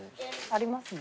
ありますね。